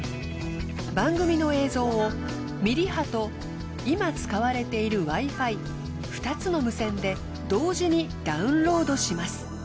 番組の映像をミリ波と今使われているＷｉ−Ｆｉ２つの無線で同時にダウンロードします。